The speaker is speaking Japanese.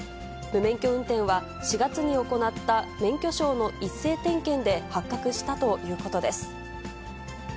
無免許運転は４月に行った免許証の一斉点検で発覚したということです。